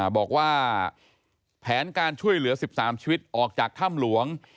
บอกว่าแผนการช่วยเหลือ๑๓ชีวิตออกจากถ้ำหลวง